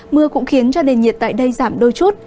mưa cũng khiến cho nền nhiệt tại đây giảm đôi chút